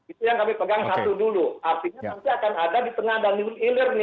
itu yang kami pegang satu dulu artinya nanti akan ada di tengah dan ilir nih